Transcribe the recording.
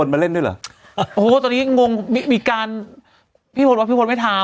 มาเล่นด้วยเหรอโอ้โหตอนนี้งงมีการพี่พลว่าพี่พลไม่ทำ